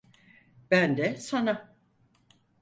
Ben de sana.